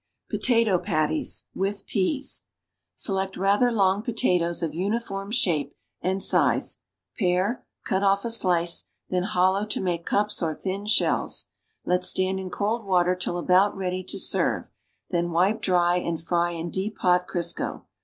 POTATO PATTIES, WITH PEAS Select rather long potatoes of uniform shape and size; pare, cut off a slice, then hollow to make cups or thin shells. Let stand in cold water till about ready to serve, then wipe dry and fry in deep, hot Crisco.